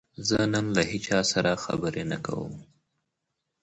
زه نن له هیچا سره خبرې نه کوم.